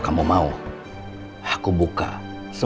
kalian harus nuntun gue